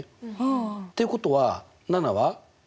っていうことは７は？